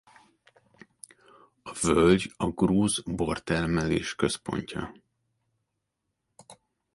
A völgy a grúz bortermelés központja.